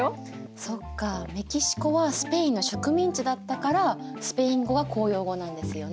そっかメキシコはスペインの植民地だったからスペイン語が公用語なんですよね。